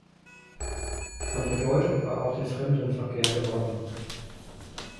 Von Bedeutung war auch der Fremdenverkehr geworden.